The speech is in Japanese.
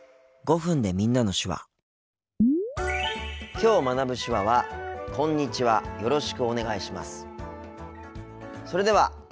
きょう学ぶ手話はそれでは。